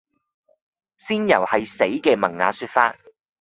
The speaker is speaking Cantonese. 仙遊係死嘅文雅說法